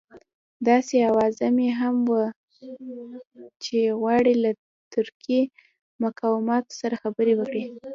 داسې اوازه هم وه چې غواړي له ترکي مقاماتو سره خبرې وکړي.